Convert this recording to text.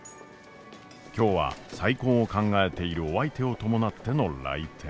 今日は再婚を考えているお相手を伴っての来店。